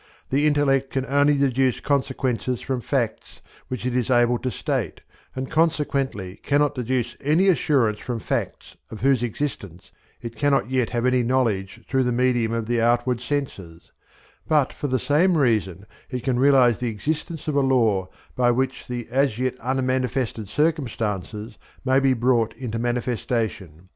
The intellect can only deduce consequences from facts which it is able to state, and consequently cannot deduce any assurance from facts of whose existence it cannot yet have any knowledge through the medium of the outward senses; but for the same reason it can realize the existence of a Law by which the as yet unmanifested circumstances may be brought into manifestation.